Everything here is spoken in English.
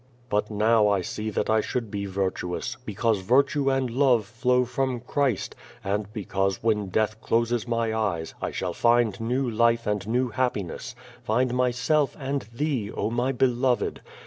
But now I see that I should be virtuous, because virtue and love How from Christ, and because when Death closes my eyes, I shall find new lifc^ an<l new happiness, find myself and thee, oh my beloved.